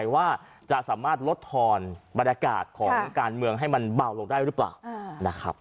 ว่าจะสามารถลดทอนบรรยากาศของการเมืองให้มันเบาลงได้หรือเปล่านะครับ